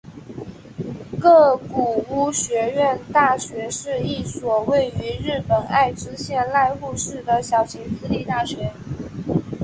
名古屋学院大学是一所位于日本爱知县濑户市的小型私立大学。